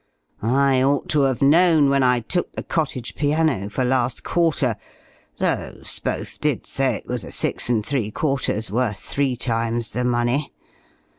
I ought to have known, when I took the cottage piano for last quarter, though Spohf did say it was a six and three quarters, worth three times the money!